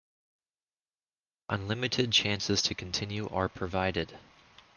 Unlimited chances to continue are provided.